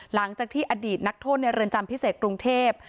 หลังจากที่อดีตนักโทษในเรือนจำพิเศษกรุงเทพ